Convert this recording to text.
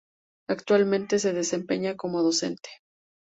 Actualmente se desempeña como docente.